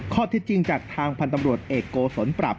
ที่จริงจากทางพันธ์ตำรวจเอกโกศลปรับ